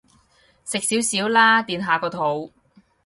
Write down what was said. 食少少啦，墊下個肚